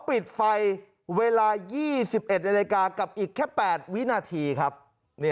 ปิดไฟเวลายี่สิบเอ็ดนาฬิกากับอีกแค่แปดวินาทีครับนี่